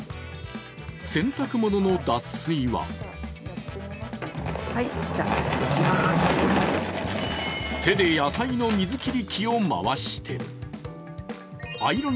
洗濯物の脱水は手で野菜の水切り器を回している。